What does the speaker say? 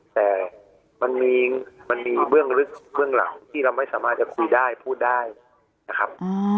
แต่มันมีเบื้องลึกเบื้องหลังที่เราไม่สามารถจะคุยได้พูดได้นะครับ